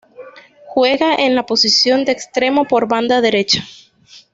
Juega en la posición de extremo por banda derecha.